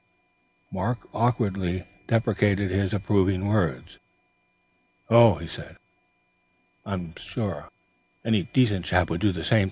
But Mark awkwardly deprecated his approving words. "Oh," he said, "I'm sure any decent chap would do the same in my place."